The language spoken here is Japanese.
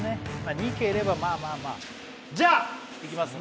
２いければまあまあまあじゃあいきますね